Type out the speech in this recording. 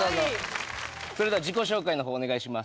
それでは自己紹介のほうお願いします